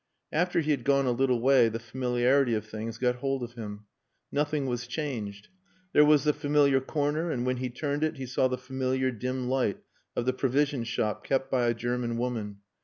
After he had gone a little way the familiarity of things got hold of him. Nothing was changed. There was the familiar corner; and when he turned it he saw the familiar dim light of the provision shop kept by a German woman.